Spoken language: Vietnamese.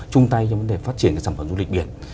chung tay cho vấn đề phát triển sản phẩm du lịch biển